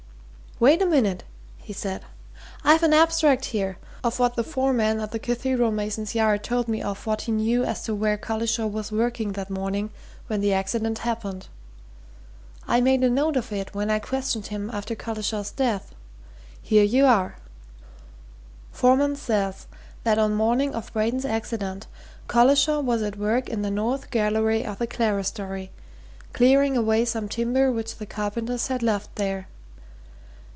"Wait a minute," he said. "I've an abstract here of what the foreman at the Cathedral mason's yard told me of what he knew as to where Collishaw was working that morning when the accident happened I made a note of it when I questioned him after Collishaw's death. Here you are: 'Foreman says that on morning of Braden's accident, Collishaw was at work in the north gallery of the clerestory, clearing away some timber which the carpenters had left there.